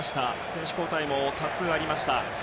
選手交代も多数ありました。